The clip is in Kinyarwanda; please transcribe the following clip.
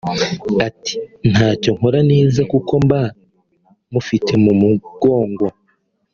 Ati “ Ntacyo nkora neza kuko mba mufite mu mugongo